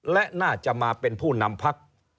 และน่าจะมาเป็นผู้นำพัก